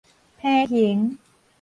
伻還